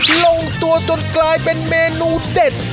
ลงตัวจนกลายเป็นเมนูเด็ด